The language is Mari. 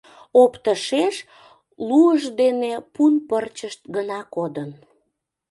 Оптышеш луышт ден пун пырчышт гына кодын.